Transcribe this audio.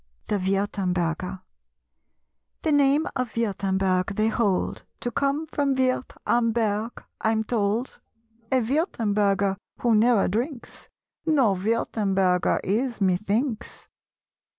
THE WIRTEMBERGER. The name of Wirtemberg they hold To come from Wirth am berg , I'm told. A Wirtemberger who ne'er drinks No Wirtemberger is, methinks!